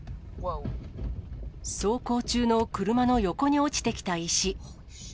走行中の車の横に落ちてきた石。